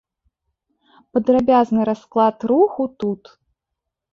Падрабязны расклад руху тут.